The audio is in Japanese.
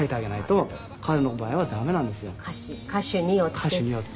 歌手によって。